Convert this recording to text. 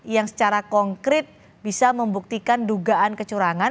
yang secara konkret bisa membuktikan dugaan kecurangan